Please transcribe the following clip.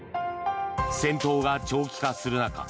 戦闘が長期化する中